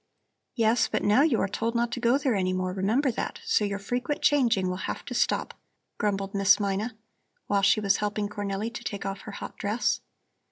"Yes, but now you are told not to go there any more, remember that! so your frequent changing will have to stop," grumbled Miss Mina, while she was helping Cornelli to take off her hot dress.